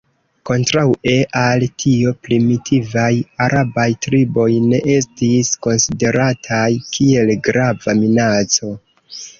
Kontraŭe al tio primitivaj arabaj triboj ne estis konsiderataj kiel grava minaco.